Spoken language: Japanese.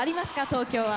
東京は。